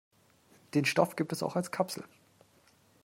Den Stoff gibt es auch als Kapsel.